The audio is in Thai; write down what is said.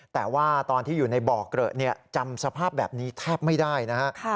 แต่ว่าตอนที่อยู่ในบ่อเกลอะจำสภาพแบบนี้แทบไม่ได้นะฮะ